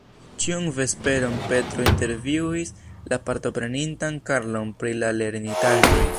Ĉiun vesperon Petro intervjuis la partoprenintan Karlon pri la lernitaĵoj.